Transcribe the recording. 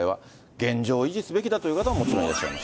現状を維持すべきだという方ももちろんいらっしゃいます。